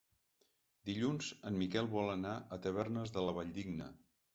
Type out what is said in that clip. Dilluns en Miquel vol anar a Tavernes de la Valldigna.